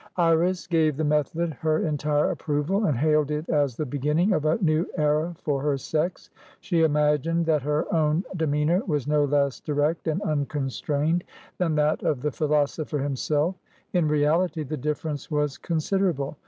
Iris gave the method her entire approval, and hailed it as the beginning of a new era for her sex. She imagined that her own demeanour was no less direct and unconstrained than that of the philosopher himself; in reality, the difference was considerable.